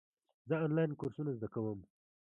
زه آنلاین کورسونه زده کوم.